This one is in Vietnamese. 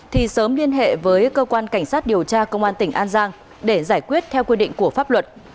thì sớm liên hệ với cơ quan cảnh sát điều tra công an tỉnh an giang để giải quyết theo quy định của pháp luật